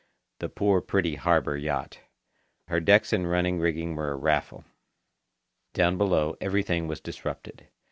The poor pretty harbour yacht! Her decks and running rigging were a raffle. Down below everything was disrupted.